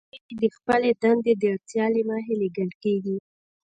دوی د خپلې دندې د اړتیا له مخې لیږل کیږي